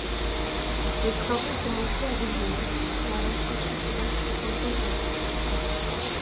Les travaux ont commencé avec des études préalables insuffisantes et sans plan directeur.